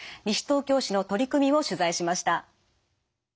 西東京市の取り組みを取材しました。